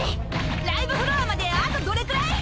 ライブフロアまであとどれくらい？